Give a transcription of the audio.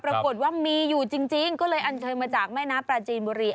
ปรากฏว่ามีอยู่จริงก็เลยอันเชิญมาจากแม่น้ำปลาจีนบุรี